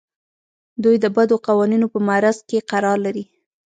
دوی د بدو قوانینو په معرض کې قرار لري.